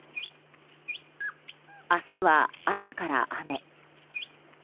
明日は、朝から雨。